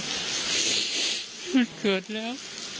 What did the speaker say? มันเกิดแล้ว